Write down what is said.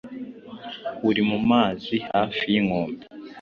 uri mu mazi hafi y’inkombe